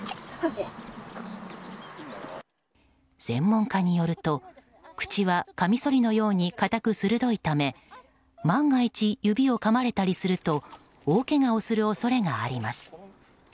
専門家によると口は剃刀のように堅く鋭いため万が一、指をかまれたりすると大けがをする恐れがあります。